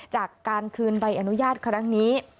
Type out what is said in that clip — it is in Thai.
จากการคืนใบอนุญาตครั้งนี้